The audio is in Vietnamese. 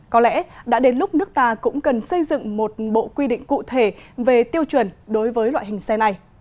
có lẽ đã đến lúc nước ta cũng cần xây dựng một bộ quy định cụ thể về tiêu chuẩn đối với loại hình xe này